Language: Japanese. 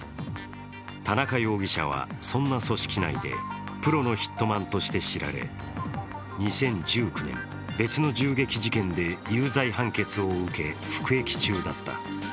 田中容疑者は、そんな組織内でプロのヒットマンとして知られ２０１９年、別の銃撃事件で有罪判決を受け、服役中だった。